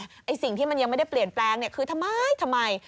แต่สิ่งที่ยังไม่เปลี่ยนแปลงคือทำไมทำไม